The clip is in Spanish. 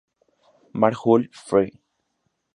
Mar-Jul, fr.